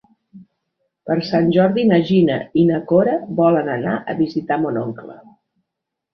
Per Sant Jordi na Gina i na Cora volen anar a visitar mon oncle.